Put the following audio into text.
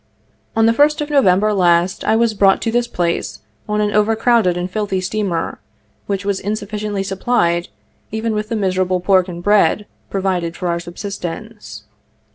On the 1st of November last I was brought to this place on an over crowded and filthy steamer, which was insufficiently supplied even with the miserable pork and bread pro vided for our subsistence.